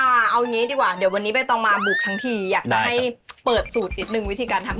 เอางี้ดีกว่าเดี๋ยววันนี้ใบตองมาบุกทั้งทีอยากจะให้เปิดสูตรนิดนึงวิธีการทำ